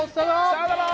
さよなら！